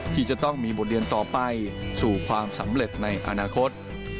ที่จะต้องมีบทเรียนต่อไปสู่ความสำเร็จในอนาคต